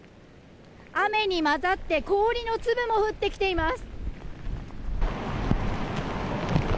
雨に交ざって、氷の粒も降ってきています。